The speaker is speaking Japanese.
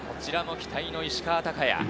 こちらも期待の石川昂弥。